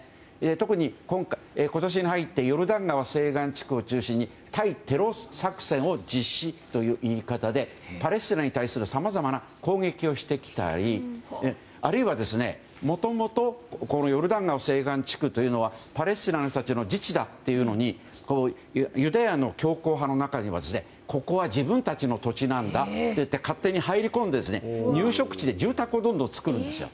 特に今年に入ってヨルダン川西岸地区を中心に対テロ作戦を実施という言い方でパレスチナに対するさまざまな攻撃をしてきたりあるいはもともとヨルダン川西岸地区というのはパレスチナの人たちの自治だというのにユダヤの強硬派の中には、ここは自分たちの土地なんだといって勝手に入り込んで入植地で住宅をどんどん作るんですよ。